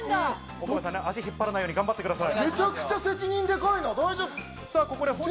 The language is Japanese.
岡部さん、足を引っ張らないように頑張ってください。